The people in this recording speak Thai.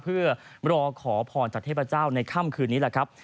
เพื่อรอขอพรจากเทพเจ้าในค่ำคืนนี้แหละครับ